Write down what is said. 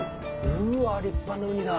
うわ立派なウニだ。